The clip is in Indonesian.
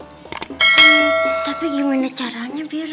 hmm tapi gimana caranya biar